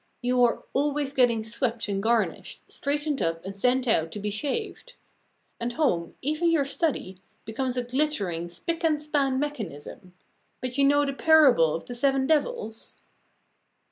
You are always getting swept and garnished, straightened up and sent out to be shaved. And home even your study becomes a glittering, spick and span mechanism. But you know the parable of the seven devils?